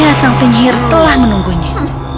ya sang penyihir telah menunggunya